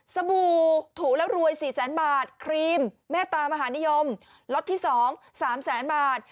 สบูถูแล้วรวยสี่แสนบาทครีมแม่ตามหานิยมล็อตที่สองสามแสนบาท